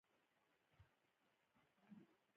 پښتو به تل ځلیږي.